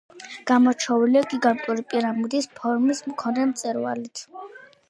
გამორჩეულია გიგანტური პირამიდის ფორმის მქონე მწვერვალით.